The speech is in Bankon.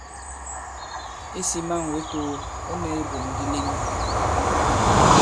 Isī man wě too, ɔ̌ nɛ ibum di leŋi.